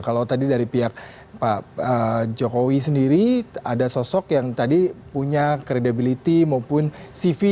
kalau tadi dari pihak pak jokowi sendiri ada sosok yang tadi punya credibility maupun cv